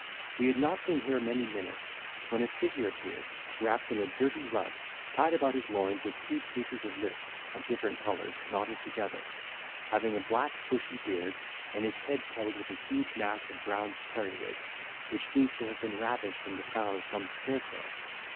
We had not been here many minutes, when a figure appeared, wrapped in a dirty rug, tied about his loins with two pieces of list, of different colours, knotted together; having a black bushy beard, and his head covered with a huge mass of brown periwig, which seems to have been ravished from the crown of some scarecrow.